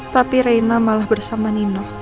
tapi reina malah bersama nino